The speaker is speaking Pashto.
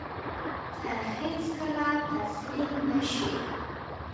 ته هېڅکله تسلیم نه شې.